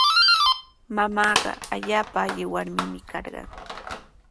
Mamaaqa allaapa alli warmimi karqan.